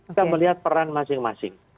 kita melihat peran masing masing